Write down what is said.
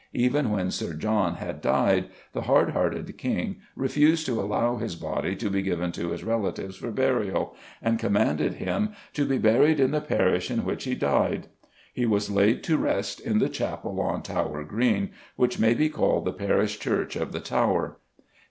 Even when Sir John had died the hard hearted King refused to allow his body to be given to his relatives for burial, and commanded him "to be buried in the parish in which he died." He was laid to rest in the Chapel on Tower Green, which may be called the parish church of the Tower.